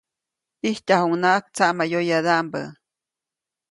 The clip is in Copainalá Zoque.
ʼIjtyajuʼuŋnaʼajk tsaʼmayoyadaʼmbä.